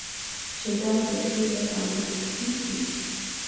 چې دا د شپې درباندې څه کېږي.